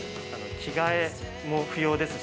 着替えも不要ですし。